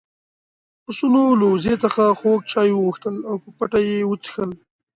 پسونو له وزې څخه خوږ چای وغوښتل او په پټه يې وڅښل.